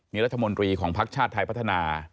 มีรัฐมนตรีของภักดิ์ชาติไทยพัฒนา